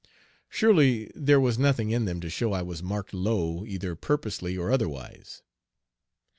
Surely there was nothing in them to show I was marked low either purposely or otherwise.